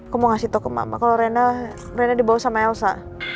aku mau kasih tau ke mbak mbak kalau rena rena dibawa sama elsa